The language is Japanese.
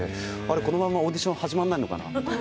このままオーディション始まらないのかな？